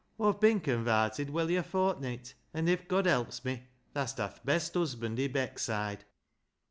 Aw've bin convarted welly a fortnit, an' if God helps me, tha'st ha' the best husband i' Beckside.